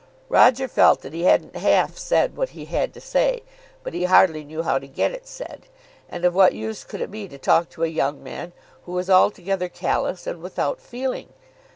Roger felt that he hadn't half said what he had to say, but he hardly knew how to get it said. And of what use could it be to talk to a young man who was altogether callous and without feeling?